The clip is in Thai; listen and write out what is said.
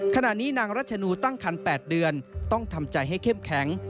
ขณะนี้นางรัชนูตั้งคัน๘เดือนต้องทำใจให้เข้มแข็ง